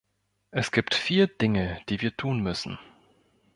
Es gibt vier Dinge, die wir tun müssen.